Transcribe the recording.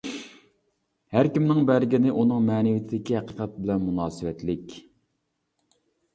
ھەركىمنىڭ بەرگىنى ئۇنىڭ مەنىۋىيىتىدىكى ھەقىقەت بىلەن مۇناسىۋەتلىك.